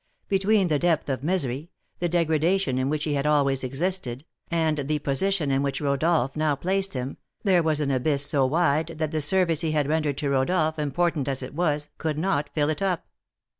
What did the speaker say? Between the depth of misery, the degradation in which he had always existed, and the position in which Rodolph now placed him, there was an abyss so wide that the service he had rendered to Rodolph, important as it was, could not fill it up.